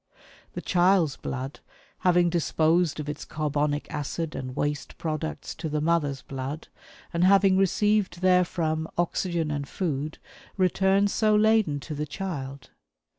The child's blood, having disposed of its carbonic acid and waste products to the mother's blood, and having received therefrom oxygen and food, returns so laden to the child.